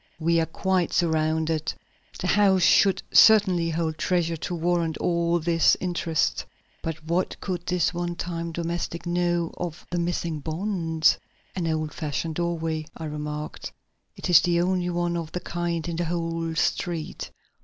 "We are quite surrounded. The house should certainly hold treasure to warrant all this interest. But what could this one time domestic know of the missing bonds?" "An old fashioned doorway," I remarked. "It is the only one of the kind on the whole street.